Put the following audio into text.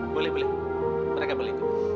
boleh boleh mereka boleh ikut